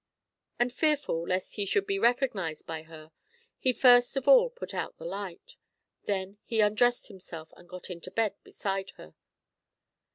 And fearful lest he should be recognised by her, he first of all put out the light. Then he undressed himself and got into bed beside her.